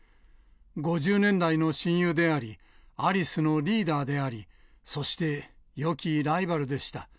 ５０年来の親友であり、アリスのリーダーであり、そして、よきライバルでした。